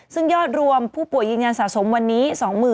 ซึ่งยอดรวมผู้ป่วยยืนยันสะสมวันนี้